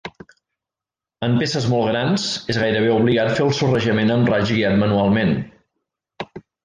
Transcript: En peces molt grans és gairebé obligat fer el sorrejament amb raig guiat manualment.